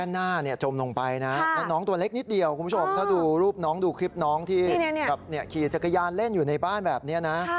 หน้าจมลงไปนะแล้วน้องตัวเล็กนิดเดียวคุณผู้ชมถ้าดูรูปน้องดูคลิปน้องที่ขี่จักรยานเล่นอยู่ในบ้านแบบนี้นะ